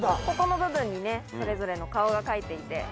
ここの部分にねそれぞれの顔が描いていて。